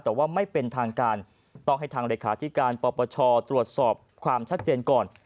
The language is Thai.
แต่ว่าไม่เป็นทางการต้องให้ทางเลขาธิการปปชตรวจสอบความชัดเจนก่อน